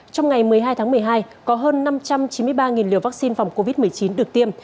trong ngày một mươi hai tháng một mươi hai có hơn năm trăm chín mươi ba liều vaccine phòng covid một mươi chín được tiêm